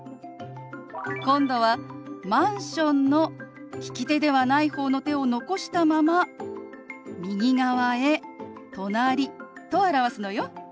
今度は「マンション」の利き手ではない方の手を残したまま右側へ「隣」と表すのよ。